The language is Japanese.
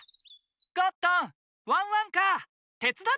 ゴットンワンワンカーてつだってくれる？